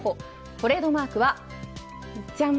トレードマークはじゃん。